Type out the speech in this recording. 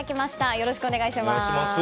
よろしくお願いします。